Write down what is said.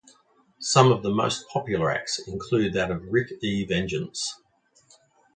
Some of the most popular acts, include that of Rick E Vengeance.